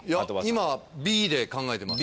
今Ｂで考えてます。